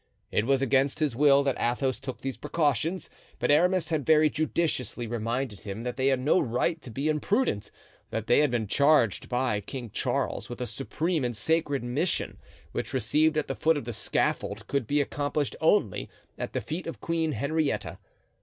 It was against his will that Athos took these precautions, but Aramis had very judiciously reminded him that they had no right to be imprudent, that they had been charged by King Charles with a supreme and sacred mission, which, received at the foot of the scaffold, could be accomplished only at the feet of Queen Henrietta.